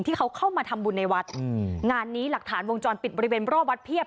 เข้ามาทำบุญในวัดอืมงานนี้หลักฐานวงจรปิดบริเวณรอบวัดเพียบ